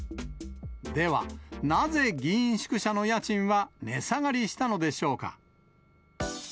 では、なぜ議員宿舎の家賃は値下がりしたのでしょうか。